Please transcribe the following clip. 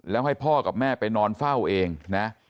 แล้วให้พ่อกับแม่ไปนอนเฝ้าเองนะ